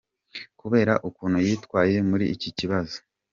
kubera ukuntu yitwaye muri iki kibazo.